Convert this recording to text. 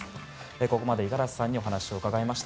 ここまで五十嵐さんにお話を伺いました。